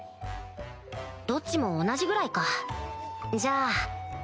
どっちも同じぐらいかじゃあ